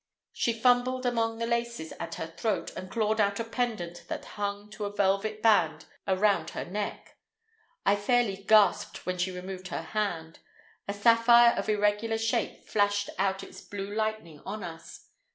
She fumbled among the laces at her throat, and clawed out a pendant that hung to a velvet band around her neck. I fairly gasped when she removed her hand. A sapphire of irregular shape flashed out its blue lightning on us.